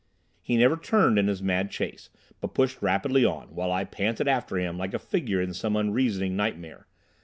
He never turned in his mad chase, but pushed rapidly on, while I panted after him like a figure in some unreasoning nightmare.